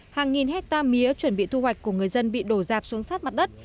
hàng nghìn hectare mía chuẩn bị thu hoạch của người dân bị đổ dạp xuống sát mặt đất